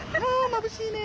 まぶしいね。